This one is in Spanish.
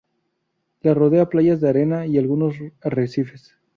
La rodean playas de arena, y algunos arrecifes.